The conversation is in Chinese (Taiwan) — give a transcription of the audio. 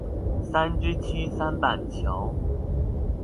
三芝區三板橋